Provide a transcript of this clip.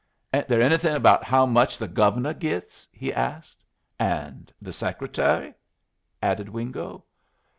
"Ain't there anything 'bout how much the Gove'nuh gits?" he asks. "And the Secretary?" added Wingo.